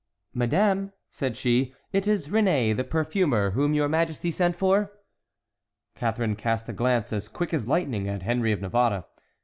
"Madame," said she, "it is Réné, the perfumer, whom your majesty sent for." Catharine cast a glance as quick as lightning at Henry of Navarre.